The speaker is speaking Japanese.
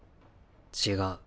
違う。